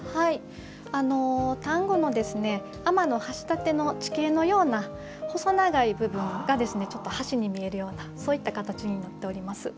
丹後の天橋立の地形のような細長い部分が橋に見えるようなそういった形になっております。